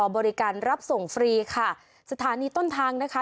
บริการรับส่งฟรีค่ะสถานีต้นทางนะคะ